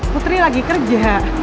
putri lagi kerja